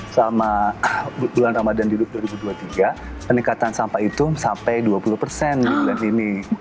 selama bulan ramadan di dua ribu dua puluh tiga peningkatan sampah itu sampai dua puluh persen di bulan ini